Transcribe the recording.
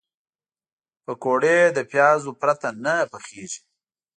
پکورې له پیازو پرته نه پخېږي